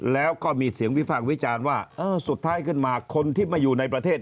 แล้วก็มีเสียงวิพากษ์วิจารณ์ว่าเออสุดท้ายขึ้นมาคนที่มาอยู่ในประเทศ